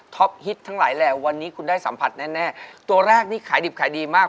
ฮิตทั้งหลายแหล่วันนี้คุณได้สัมผัสแน่แน่ตัวแรกนี่ขายดิบขายดีมาก